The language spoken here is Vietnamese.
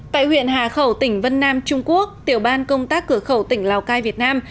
tại huyện hà khẩu tỉnh vân nam trung quốc tiểu ban công tác cửa khẩu tỉnh lào cai việt nam